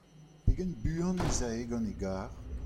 Pegen buan ez ae gant e garr ?